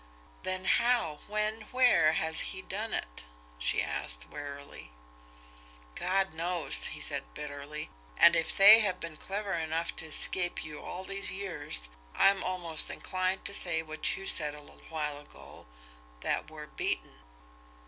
"Then how, when, where has he done it?" she asked wearily. "God knows!" he said bitterly. "And if they have been clever enough to escape you all these years, I'm almost inclined to say what you said a little while ago that we're beaten."